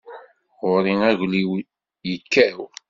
Ɣur-i aglim yekkaw.